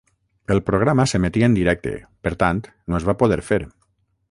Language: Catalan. El programa s'emetia en directe, per tant, no es va poder fer.